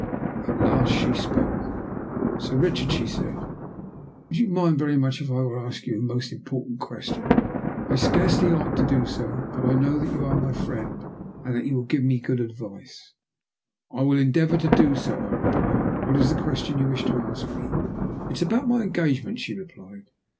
At last she spoke. "Sir Richard," she said, "would you mind very much if I were to ask you a most important question? I scarcely like to do so, but I know that you are my friend, and that you will give me good advice." "I will endeavour to do so," I replied. "What is the question you wish to ask me?" "It is about my engagement," she replied.